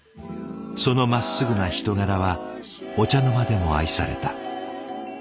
そのまっすぐな人柄はお茶の間でも愛された。